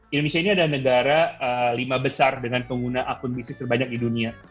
indonesia ini adalah negara lima besar dengan pengguna akun bisnis terbanyak di dunia